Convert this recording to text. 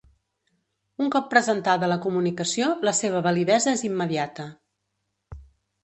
Un cop presentada la comunicació, la seva validesa és immediata.